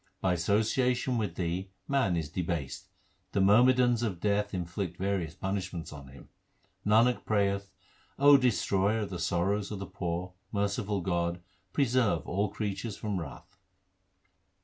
By association with thee man is debased : the myrmidons of Death inflict various punishments on him. Nanak prayeth, O Destroyer of the sorrows of the poor, merciful God, preserve all creatures from wrath.